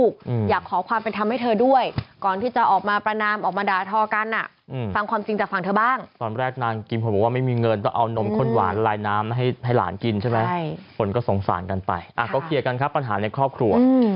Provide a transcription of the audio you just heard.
ขอความเป็นธรรมให้เธอด้วยก่อนที่จะออกมาประนามออกมาดาทอกันฟังความจริงจากฝั่งเธอบ้างตอนแรกนางกิมหัวว่าไม่มีเงินต้องเอานมข้นหวานลายน้ำให้หลานกินใช่ไหมคนก็สงสารกันไปก็เคลียร์กันครับปัญหาในครอบครัว